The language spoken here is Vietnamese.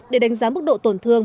để đánh giá mức độ tổn thương